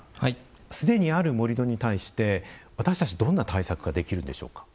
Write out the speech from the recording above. すでにある盛土に対して私たちはどんな対策ができるんでしょうか。